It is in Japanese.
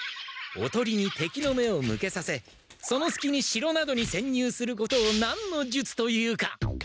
おとりに敵の目を向けさせそのすきに城などに潜入することを何の術と言うか。